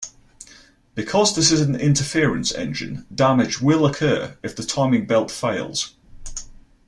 Because this is an interference engine, damage will occur if the timing belt fails.